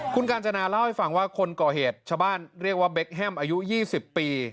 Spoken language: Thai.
คุณกาญจนาเล่าให้ฟังว่าคนก่อเหตุชาวบ้านเรียกว่าเบคแฮมอายุ๒๐ปี